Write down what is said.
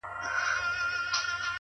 علم د عقل جوړښت پیاوړی کوي,